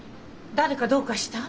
誰かどうかした？